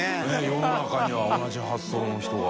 世の中には同じ発想の人が。